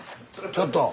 ちょっと。